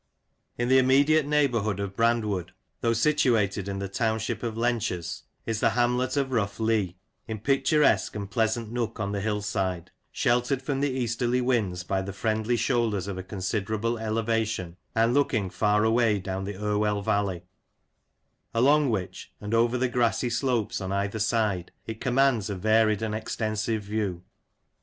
IN the immediate neighbourhood of Brandwood, though situated in the Township of Lenches, is the hamlet of Rough Lee, in a picturesque and pleasant nook on the hill side, sheltered from the easterly winds by the friendly shoulders of a considerable elevation, and looking far away down the Irwell Valley — along which, and over the grassy slopes on either side, it commands a varied and extensive view.